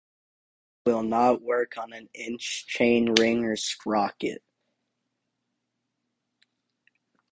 A inch chain will not work on a inch chainring or sprocket.